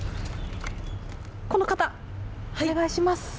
この方、お願いします。